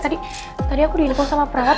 tata tadi aku diinikul sama perawat